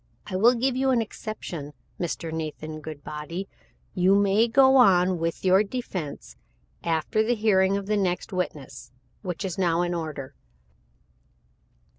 I will give you an exception. Mr Nathan Goodbody, you may go on with your defense after the hearing of the next witness, which is now in order."